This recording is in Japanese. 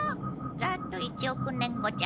ざっと１億年後じゃ。